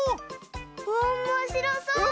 おもしろそう！